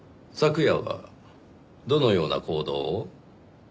昨夜はどのような行動を？